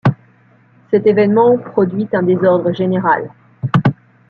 Cet événement produit un désordre général.